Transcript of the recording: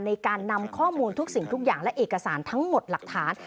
ในการนำข้อมูลทุกสิ่งทุกอย่างและเอกสารทั้งหมดหลักฐาน